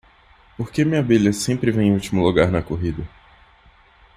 Por que minha abelha sempre vem em último lugar na corrida?